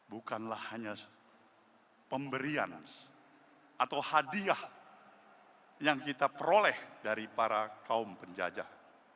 bukanlah hanya pemberian atau hadiah yang kita peroleh dari para kaum penjajah